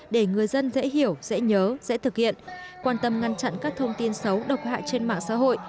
để người dân dễ hiểu dễ nhớ dễ thực hiện quan tâm ngăn chặn các thông tin xấu độc hại trên mạng xã hội